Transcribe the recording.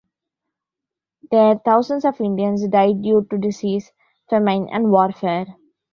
There, thousands of Indians died due to disease, famine and warfare.